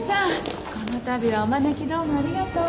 このたびはお招きどうもありがとう。